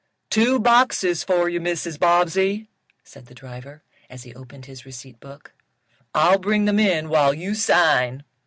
"Two boxes for you, Mrs. Bobbsey," said the driver, as he opened his receipt book. "I'll bring them in while you sign."